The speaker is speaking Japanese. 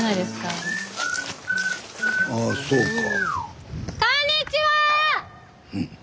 あそうか。